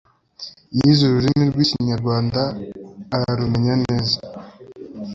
Yize ururimi rw'ikinyalubaniya ararumenya neza